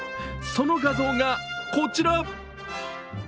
その画像がこちら。